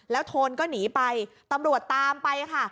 โทนก็หนีไปตำรวจตามไปค่ะ